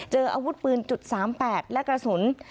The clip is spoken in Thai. เจออาวุธปืน๓๘และกระสุน